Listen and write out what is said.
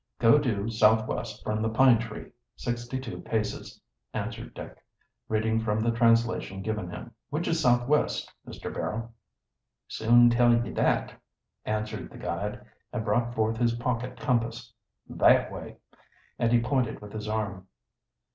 "'Go due southwest from the pine tree sixty two paces,'" answered Dick, reading from the translation given him. "Which is southwest, Mr. Barrow?" "Soon tell ye that," answered the guide, and brought forth his pocket compass. "That way." And he pointed with his arm.